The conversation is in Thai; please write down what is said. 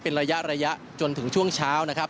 เป็นระยะระยะจนถึงช่วงเช้านะครับ